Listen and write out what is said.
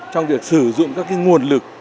trong việc sử dụng các nguồn lực